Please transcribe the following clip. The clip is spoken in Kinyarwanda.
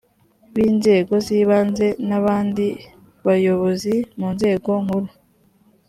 b inzego z ibanze n abandi bayobozi mu nzego nkuru